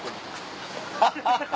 ハハハハ！